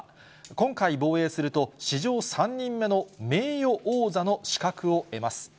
今回防衛すると、史上３人目の名誉王座の資格を得ます。